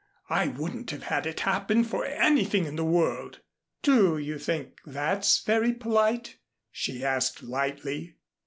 I wouldn't have had it happen for anything in the world." "Do you think that's very polite?" she asked lightly.